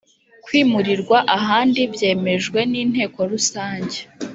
kwimurirwa ahandi byemejwe n inteko rusange